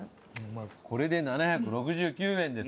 これで７６９円です。